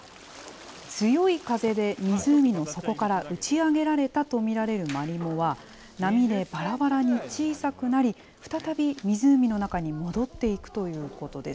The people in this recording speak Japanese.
強い風で湖の底から打ち上げられたと見られるマリモは、波でばらばらに小さくなり、再び湖の中に戻っていくということです。